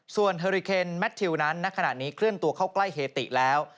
ส่วนเฮอริเคนแมททิวนั้นณขณะนี้เคลื่อนตัวเข้าใกล้เฮติแล้ว